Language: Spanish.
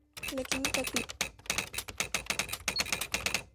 La química click tiene amplias aplicaciones.